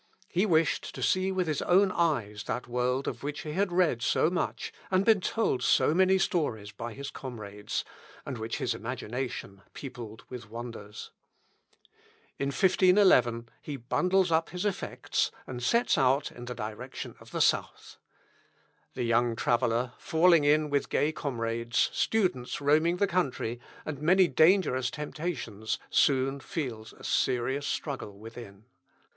He wished to see with his own eyes that world of which he had read so much, and been told so many stories by his comrades, and which his imagination peopled with wonders. In 1511 he bundles up his effects, and sets out in the direction of the South. The young traveller, falling in with gay comrades, students roaming the country, and many dangerous temptations soon feels a serious struggle within.